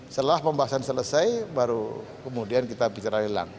setelah pembahasan selesai baru kemudian kita bicara lelang